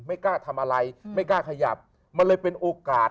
ไม่กล้าทำอะไรไม่กล้าขยับมันเลยเป็นโอกาส